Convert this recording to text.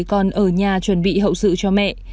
con ở nhà chuẩn bị hậu sự cho mẹ